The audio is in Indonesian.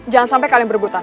jangan sampai kalian berebutan